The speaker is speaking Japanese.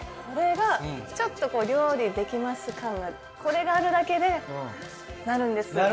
これがちょっとこう料理できます感がこれがあるだけでなるんです。